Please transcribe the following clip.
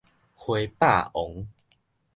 花霸王